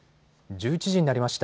１１時になりました。